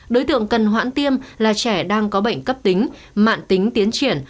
đối tượng cần hoãn tiêm là trẻ đang có bệnh cấp tính mạng tính tiến triển